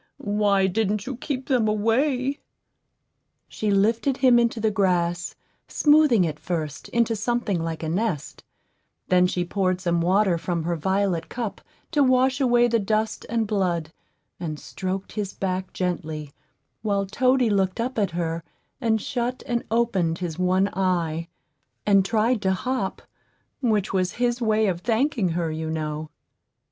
Why didn't you keep them away?" She lifted him into the grass, smoothing it first into something like a nest; then she poured some water from her violet cup to wash away the dust and blood, and stroked his back gently, while Toady looked up at her, and shut and opened his one eye, and tried to hop, which was his way of thanking her, you know.